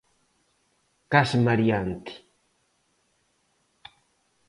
Case mareante.